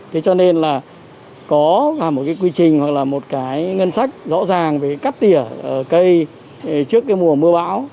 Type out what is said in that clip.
thế cho nên là có cả một cái quy trình hoặc là một cái ngân sách rõ ràng về cắt tỉa cây trước cái mùa mưa bão